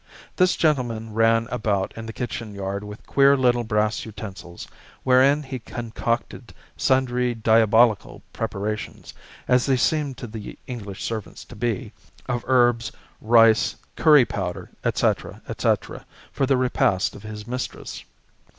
This gentleman ran about in the kitchen yard with queer little brass utensils, wherein he concocted sundry diabolical preparations as they seemed to the English servants to be, of herbs, rice, curry powder, etc., etc., for the repast of his mistress.